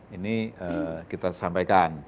ini kita sampaikan